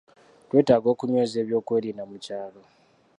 Twetaaga okunyweza ebyokwerinda mu kyalo.